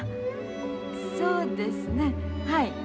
そうですねはい。